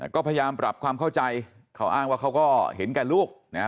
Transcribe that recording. ก็พยายามปรับความเข้าใจเขาอ้างว่าเขาก็เห็นแก่ลูกนะ